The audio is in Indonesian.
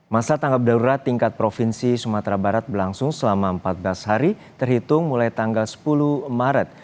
masa tanggap darurat tingkat provinsi sumatera barat berlangsung selama empat belas hari terhitung mulai tanggal sepuluh maret